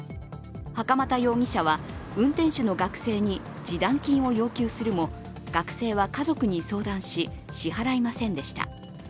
袴田容疑者は運転手の学生に示談金を要求するも学生は家族に相談し、支払いませんでした。